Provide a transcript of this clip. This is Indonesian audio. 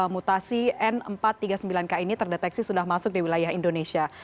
mutasi n empat ratus tiga puluh sembilan k ini terdeteksi sudah masuk di wilayah indonesia